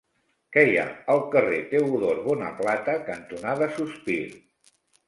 Què hi ha al carrer Teodor Bonaplata cantonada Sospir?